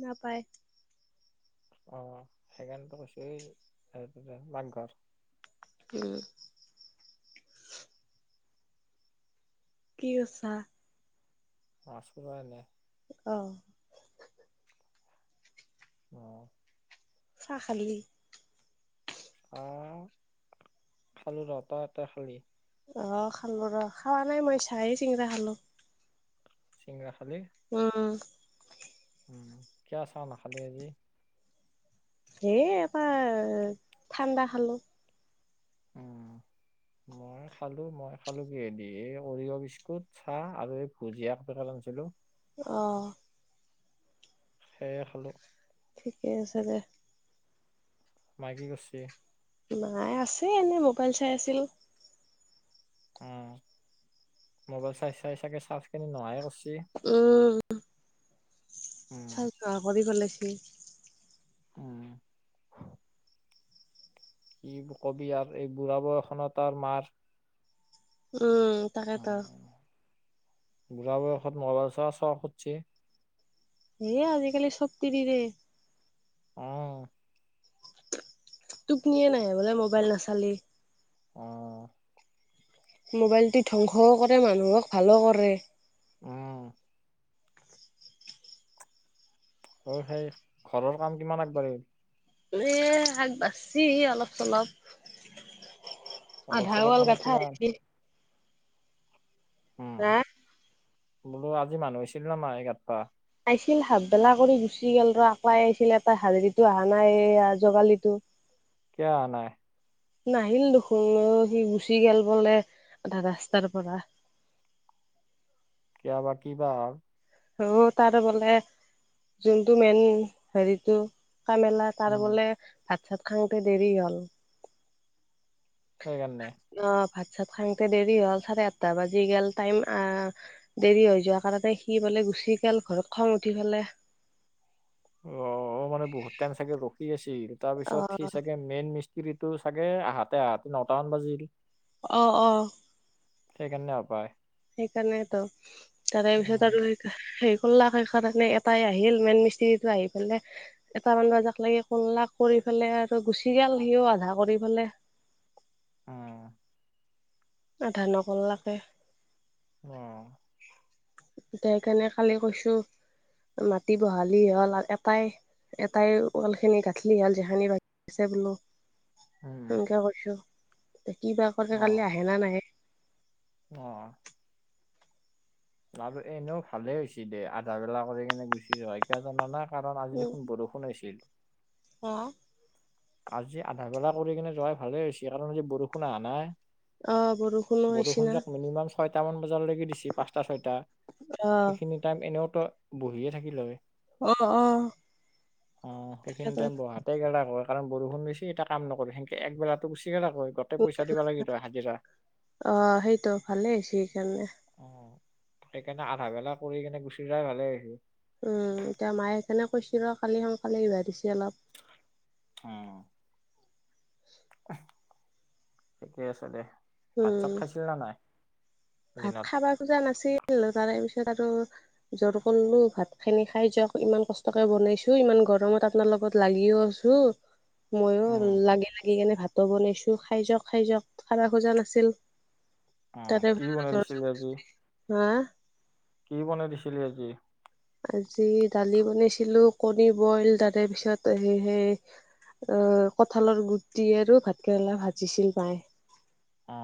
ন পায় অ সেইকাৰণোতো কৈছো এই পাকঘৰ। উম কি আছা আছোঁ ভালে অ অ চাহ খালি আহ খালো ৰ তহঁতে খালি অ খালো ৰ খাৱা নাই মই চাইে চিঙৰা খালো চিঙৰা খালি উম কিয় চাহ নাখালি আজি হেই এপাৰ ঠাণ্ডা খালো [unintelligible] মোৰ খালো মই খালো কিহেদি এই অৰিয়হ বিস্কুট চাহ আৰু এই ভুজিয়া [unintelligible] ছিলো অ সেয়ে খালোঁ ঠিকে আছে দে মাই কি কিৰ্চে মাই আছে এনে মোবাইল চাই আছিল উ মোবাইল চাই চাই চাগে চাৰ্জ খিনি নোহাই কৰিছে উম উম চাৰ্জ নহা কৰি পেলাইছে উম কি কবি আৰু এই বুঢ়া বয়সনতাৰ মাত উম। অ তাকেতো বুঢ়া বয়সত মোবাইল [unintelligible] খুটছি। এ আজিকালি চব তিৰিৰে অ টোপনিয়ে নাহে বোলে মোবাইল নাচালি। অ। মোবাইটো ধ্বংসও কৰে মানুহক ভালো কৰে। উম। অ সেই ঘৰৰ কাম কিমান আগবাঢ়িল? এ আগ বাছি অলপ চলপ। অলপ আধা চলপ ৱাল মানে গাঠা কিমান? হৈছি, উম, হা? বোলো আজি মানুহ হৈছিল না নাই গঠোফা? আহিছিল হাপবেলা কৰি গুচি গ'ল ৰ, আকলাই আহিছিল এটা হাজেৰিটো অহা নাই এই জোগালিটো কিয় আহা নাই? নাহিল দেখোন সি গুচি গে'ল বলে এটা ৰাস্তাৰ পৰা। কিয় বা কি বা হ'ল? অ তাৰে বোলে যোনটো মেইন হেৰিটো কামেলাৰ তাৰ উম, বোলে ভাত-চাত খাওঁতে দেৰি হ'ল। সেইকাৰণে। অ ভাত-চাত খাংতে দেৰি হ'ল চাৰে আঠটা বাজি গেল, টাইম আ দেৰি হৈ যোৱা কাৰণে সি বোলে গুচি গেল ঘৰত খং উঠি পেলাই। অ অ মানে বহুত টাইম চাগে ৰখি আছিল অ তাৰপিছত সি চাগে মেইন মিস্ত্ৰীটো চাগে আহাতে আহাতে নটামান বাজিল, অ অ। সেইকাৰণে হয় পায়। সেইকাৰণেতো, তাৰে পিছত উম, আৰু [unintelligible] এটাই আহিল মেইন মিস্ত্ৰীটো আহি পেলাই এটা মান বাজাক লাগি কৰলাক কৰি পেলাই আৰু গুচি গেল সিও আধা কৰি পেলাই। উম। আধা নকৰলাকে। উম। সেইকাৰণে কালি কৈছো মাটি বহালি হ'ল এটাই এটাই ওৱালখিনি গাঁঠলি হ'ল যিখানি বাকী আছে বোলো। উম, সেনকে কৈছো, কিবা কৰে কালি অ', আহে না নাহে অ। আৰু এনেও ভালে হৈছে দে আধা বেলা কৰি কিনে গুচি যোৱা কিয় জানানা? কাৰণ আজি উম দেখোন বৰষুণ আহিছিল। [unintelligible] আজি আধা বেলা কৰি কিনে যোৱাই ভালে হৈছে কাৰণ আজি বৰষুণ অহা নাই। অ বৰষুণো আহিছি না বৰষুনজাক মিনিমাম ছয়টামান বজালৈকে দিছি পাঁচটা-ছয়টা অ সেইখিনি টাইম এনেওতো বহিয়ে থাকিল হয়। অ অ অ সেইখিনি তাকেতো টাইম বহা [unintelligible] কাৰণ বৰষুণ দিছি এতিয়া কাম নকৰে সেনকে একবেলাটো গুচি গেলাক হয়। পইচা দিব লাগিল হয় হাজিৰা [unintelligible] অ সেইটো ভালে হৈছি সেই কাৰণে। অ সেইকাৰণে আধা বেলা কৰি কিনে গুচি যাই ভালে হৈছে। উম, এতিয়া মায়ে কোনে কৈছিল ৰ' কালি সোনকালে ওলিয়াই দিছে অলপ। উম, ঠিকে আছে দে। উম ভাত-চাত খাইছিল নে নাই? ভাত দিনত খাবা খোজা নাছিল তাৰে পিছত আৰু জ'ৰ কৰিলো ভাত খিনি খাই যাওক ইমান কষ্টকে বনাইছো ইমান গৰমত আপনাৰ লগত লাগিও আছো উম ময়ো উম লাগি লাগি কেনে ভাতো বনাইছো খাই যাওক খাই যাওক খাবা খোজা নাছিল [unintelligible] অ কি বনাই দিছিলে আজি হা কি বনাই দিছিলি আজি আজি দালি বনাইছিলো কণী বইল তাৰে পিছত সে সেই অ কঁঠালৰ গুটি আৰু ভাত কেৰেলা ভাজিছিল মায় অ।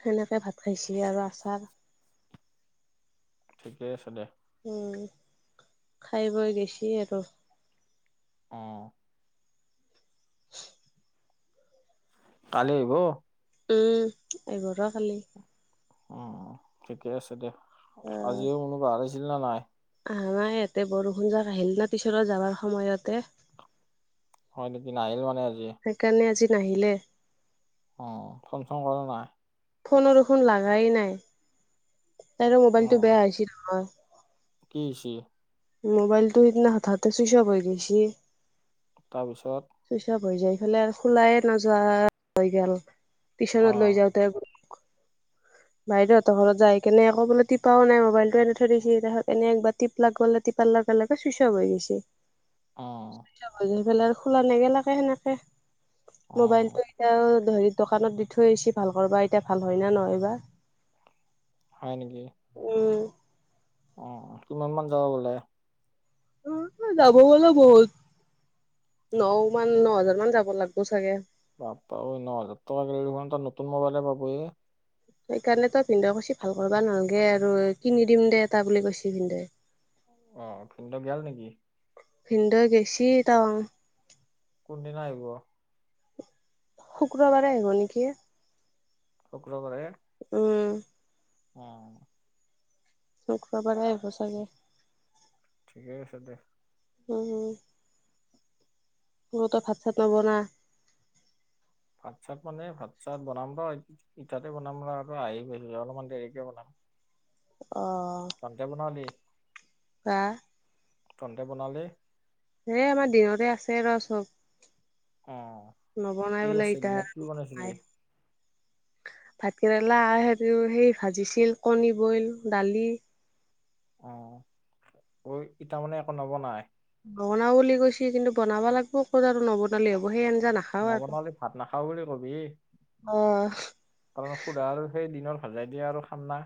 সেনেকে ভাত খাইছে আৰু আচাৰ ঠিকে আছে দে। উম, খাই-বই গেছি আৰু। অ। কালি আহিব উম, আহিব ৰ' কালি। উম, ঠিকে আছে দে অ আজিও কোনোবা আহিছিল নে নাই? আহা নাই ইয়াতে বৰষুণ জাক আহিল না পিছৰৰ যাবাৰ সময়তে হয় নিকি নাহিল মানে আজি সেইকাণে আজি নাহিলে অ ফ'ন চ'ন কৰা নাই ফোনো দেখোন লাগাই নাই তাইৰো মোবাইলটো উম, বেয়া হৈছিল নহয় কি হৈছে মোবাইলটো সেইদিনা হঠাতে চুইচ অপ হৈ গৈছি তাৰপিছত চুইচ অপ হৈ যায় ফালে খালাই নাযোৱা হৈ গেল টিছনত লৈ অ', যাওতে বাইদেউহতৰ ঘৰত যায় কেনে এ'কো বোলে টিপাও নাই মোবাইলটো এনে থৈ দিছি তাছত এনে এবাৰ টিপলাগ বোলে টিপাৰ লগে লগে চুইচ অপ হৈ গৈছে অ [unintelligible] পেলে খোলা নাই [unintelligible] সেনেকে উম, মবাইলটোৱে তেজ ধেৰি দোকানত দি থৈ আহছি ভাল কৰবা এতিয়া ভাল হয় ন নহয় বা হয় নিকি উম অ কিমান মান যাব বোলে অ যাব বোলে বহুত ন মান ন হাজাৰ মান যাব লাগব চাগে বাপ্পা ঐ ন হাজাৰ টকা গেলে দেখোন তাই নতুন মোবাইলে পাবু এই সেইকাৰণে তই ভিন্দয়ে কৈছি ভাল কৰবা নহলগে আৰু কিনি দিম দে এটা বুলি কৈছি ভিন্দৱে অ ভিনদেও গেল নেকি ভিন্দই গেছি টাউ কোনদিনা আহিব শুক্ৰবাৰে আহিব নিকি? শুক্ৰ বাৰে। উম' অঁ' শুক্ৰবাৰে আহিব চাগে। ঠিকেই আছে দে। উম হুম' মোৰতো ভাত চাত নবনা। ভাত চাত মানে ভাত চাত বনাম ৰ ইতাতে বনাম ৰ আহি গ অলমান দেৰিকে বনাম। অ' কনতে বনাও দি। বাহঃ তন্তে বনালি। এই আমাৰ দিনৰে আছে ৰ চব। উম। নবনাই কি বোলে আছে ইতা দিনত কি আৰু বনাইছিলি মাই। ভাতকেৰেলা আ হেৰি সেই ভাজিছিল কণী বইল দালি। অ' ঐ ইতা মানে একো নবনাই। নবনাও বুলি কৈছে কিন্তু, বনাব লাগিব ক'ত আৰু নবনালে হ'ব সেই আঞ্জা নাখাও আৰু। নবনালি ভাত নাখাও বুলি কবি। অঁ' কাৰণ সুদা আৰু সেই দিনৰ ভাজাই দিয়া আৰু খাম না।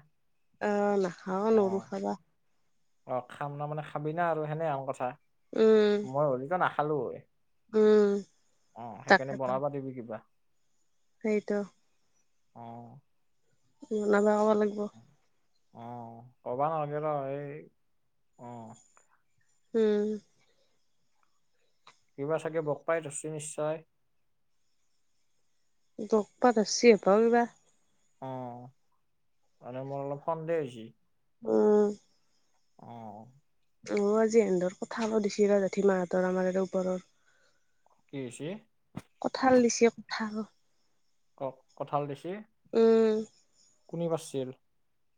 অঁ নাখাও অ নৱাৰো খাবা। অ' খাম ন মানে খাবি না আৰু সেনে আৰু কথা উম, মই হ'লিতো নাখালো হয়। উম। অঁ সেইকাৰণে তাকেতো বনাবা দিবি কিবা। সেইটো। অঁ' বনাবা কবা লাগিব। অঁ' ক'বা নালগে ৰ এই অঁ'। উম' কিবা চাগে বক পাই ধৰছি নিশ্চয়। দকপা ধৰচি হপাও কিবা। অঁ' মানে মোৰ অলপ সন্দেহ হৈছি- উম' অঁ' অঁ' আজি হেঁনতৰ কথা সুদিছিলে জেঠি মাহঁতৰ আমাৰ আৰু ঘৰত। কি হৈছে? কঁঠাল দিছে কঁঠাল। কক কঁঠাল দিছে। উম' কোনে পাৰছিল?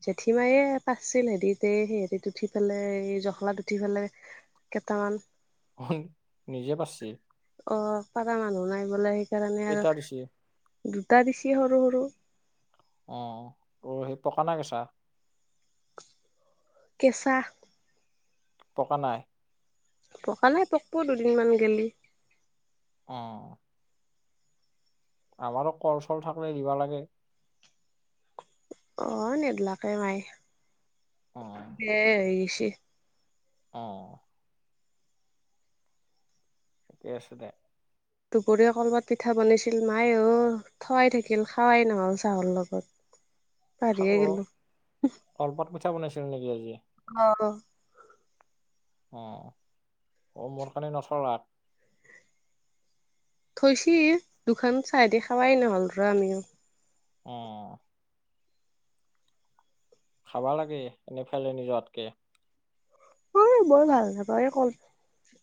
জেঠী মায়ে পাৰছিল সে তিতে সিহঁতিত উঠি পেলাই জখলাত উঠি পেলাই। কেটামান। হুন নিজে পাৰছি। অ' পাৰা মানুহ নাই বোলে সেইকাৰণে কেইটা দিছি আৰু দুটা দিছে সৰু সৰু। অঁ' সেই অও সেই পকা না কেচা? কেঁচা। পকা নাই। পকা নাই পকবো দুদিনমান গেলি। অ'। আমাৰো কল চল থাকিলে দিবা লাগে। অ' নেলাগে মাই অ', বেয়া হৈ গেছি। অ'। ঠিকে আছে দে দুপৰীয়া কলপাত পিঠা বনাইছিল মাই অ'। থোৱাই থাকিল খাৱাই নহ'ল চাহৰ লগত। খাব পাহৰিয়ে গেলো কলপাত পিঠা বনাইছিল নেকি আজি। অ'। অ', অ' মোৰ কাৰণে নথলা। থৈছি দুখন চাইদি খাৱাই নহ'ল ৰ আমিও। অ। খাবা লাগে এনে ফেলেনি জোৱাতকে। অ' বৰ ভাল নাপাওঁ এই কল।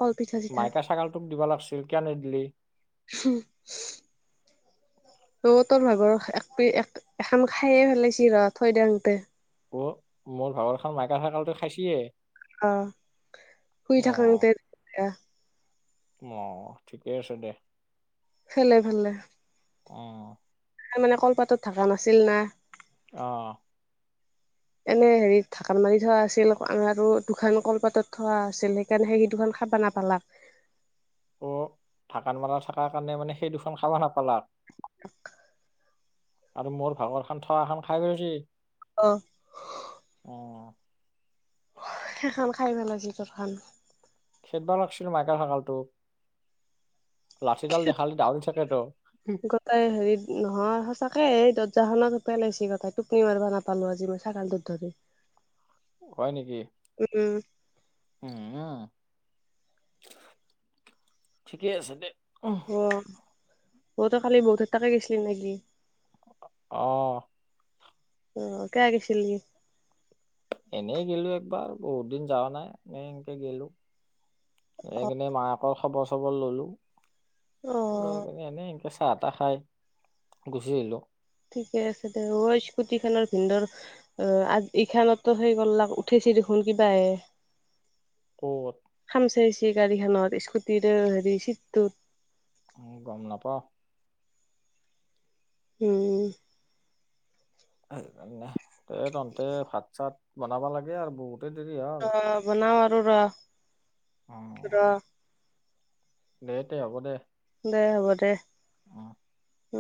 কলপিঠা চিঠা মাইকা ছাগালটোক দিব লাগছিল কিয়া নিদিলি। [unintelligible] অ তোৰ ভাগৰ একপিচ এক এখান খায়ে পেলাইচি ৰহ থৈ দেওঁতে। অ মোৰ ভাগৰখান মাইকা চাগালটোই খাইছিয়ে। অ শুই অ', থাকোংতে দিপ্ৰা। অ ঠিকে আছে দে। ফেলে ফেলে। অ'। তাৰ মানে কলপাতত ঢাকা নাছিল না। অ'। এনে হেৰি ঢাকান মাৰি থোৱা আছিল আম আৰু দুখান কলপাতত থোৱা আছিল সেইকাৰণে সেই দুখন খাবা নাপালাক। অ ঢাকান মাৰা থাকাৰ কাৰণে মানে সেই দুখন খাবা নাপালাক। আৰু মোৰ ভাগৰ খান থোৱাখন খাই গৈছি। অ। অ অ। হ হে সেখান খাই পেলাইছি তোৰখান। খেদবা লাগছিল মাইকা চাগালটো লাঠিডাল দেখালি দাওৰি থাকেতো। গটাই হেৰি নহয় সঁচাকে এই দৰ্জাখনত পেলাইছি গোটাই টোপনি মাৰিবা নাপ। পালো আজি মই ছাগালটোত ধৰি। হয় নেকি। উম। উম ন। ঠিকেই আছে দে উমহ। অ, ও তই কালি বৌ থেত তাকে গেছলি নে কি। অ। অ কেয়া গেছিলি। এনেই গেলো একবাৰ বহুত দিন যাৱা নাই এনে এনকে গেলো। এই পিনে মায়েকৰ খবৰ চবৰ ললোঁ অ মানে এনেই এনকে চাহ তাহ খাই গুছি আহিলোঁ। ঠিকে আছে দে ওঅ‌ স্কুটিখণনৰ ভিনদেউৰ অ আ ইখানত্তো সেই কল্লাক উঠেছি দেখোন কিবাহে ক'ত খামচাইছে গাড়ীখনত স্কুটিৰ অ হেৰি চিটটোত উম গম নাপাওঁ উম সেইকাৰণে এই তহন্ধে ভাত চাত বনাবা লাগে আৰু বহুতে দেৰি আ অ বনাওঁ আৰু ৰ অ ৰ দে তে হ'ব দে দে হ'ব দে অ উম